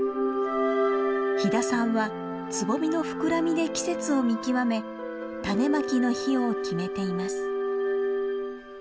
飛田さんはつぼみの膨らみで季節を見極め種まきの日を決めています。